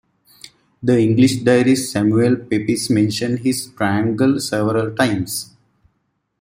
The English diarist Samuel Pepys mentions his "tryangle" several times.